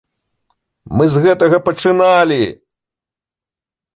Мы з гэтага пачыналі!